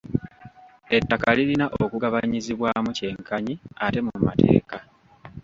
Ettaka lirina okugabanyizibwamu kyenkanyi ate mu mateeka.